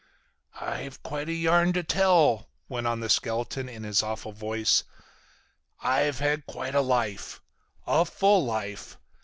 "I've quite a yarn to tell," went on the skeleton in his awful voice. "I've had quite a life. A full life.